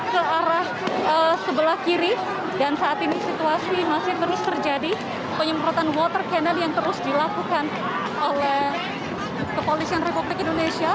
ke arah sebelah kiri dan saat ini situasi masih terus terjadi penyemprotan water cannon yang terus dilakukan oleh kepolisian republik indonesia